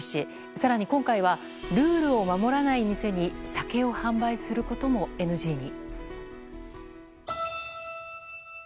更に今回はルールを守らない店に酒を販売することもＮＧに。